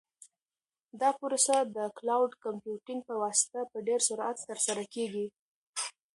دا پروسه د کلاوډ کمپیوټینګ په واسطه په ډېر سرعت ترسره کیږي.